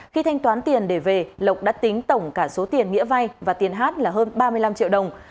khi thanh toán tiền để về lộc đã tính tổng cả số tiền nghĩa vay và tiền hát là hơn ba mươi năm triệu đồng